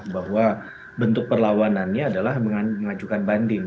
bahwa bentuk perlawanannya adalah mengajukan banding